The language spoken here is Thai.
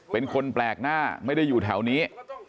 เป็นคนแปลกหน้าไม่ได้อยู่แถวนี้